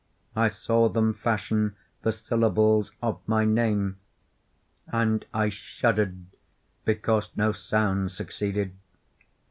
I saw them fashion the syllables of my name; and I shuddered because no sound succeeded.